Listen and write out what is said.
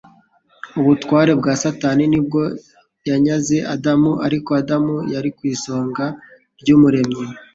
Ubutware bwa Satani ni ubwo yanyaze Adamu, ariko Adamu yari igisonga cy'Umuremyi